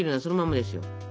そのままですよ。